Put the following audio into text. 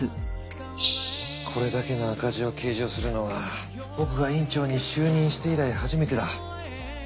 これだけの赤字を計上するのは僕が院長に就任して以来初めてだ。